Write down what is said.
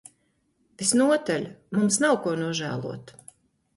Visnotaļ, mums nav ko nožēlot.